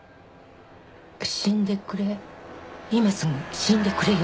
「死んでくれ今すぐ死んでくれよ」